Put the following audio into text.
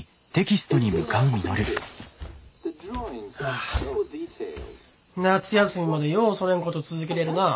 ・あ夏休みまでよおそねんこと続けれるなあ。